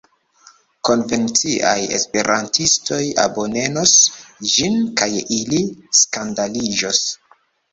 Konvenciaj esperantistoj abonenos ĝin kaj ili skandaliĝos.